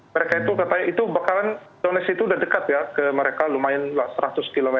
mereka itu katanya donetsk itu udah dekat ya ke mereka lumayan seratus km